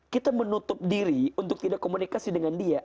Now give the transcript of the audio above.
kita menutup diri untuk tidak komunikasi dengan dia